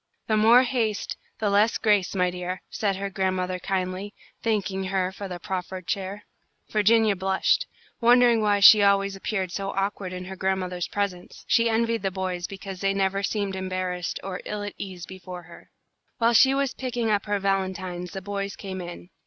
"The more haste, the less grace, my dear," said her grandmother, kindly, thanking her for the proffered chair. Virginia blushed, wondering why she always appeared so awkward in her grandmother's presence. She envied the boys because they never seemed embarrassed or ill at ease before her. While she was picking up her valentines the boys came in.